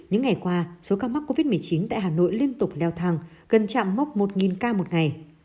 hôm nay qua số ca mắc covid một mươi chín tại hà nội liên tục leo thẳng gần chạm mốc một ca một ngày